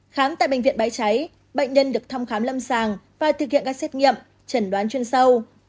khám tại bệnh viện bái cháy bệnh nhân được thăm khám lâm sàng và thực hiện các xét nghiệm chẩn đoán chuyên sâu